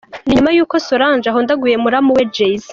Ni nyuma y’uko Solange ahondaguye muramu we Jay-Z.